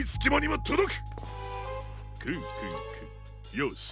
よし。